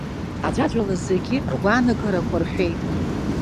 Аӡәаӡәала зегьы ргәаанагарақәа рҳәеит.